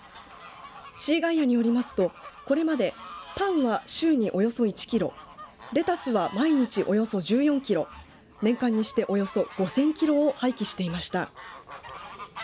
シーガイアによりますとこれまでパンは週におよそ１キロレタスは毎日およそ１４キロ年間にしておよそ５０００キロを廃棄していました。